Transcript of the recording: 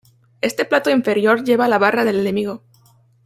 Este plato inferior lleva la Barra del Enemigo.